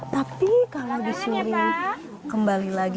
tapi kalau disuruh kembali lagi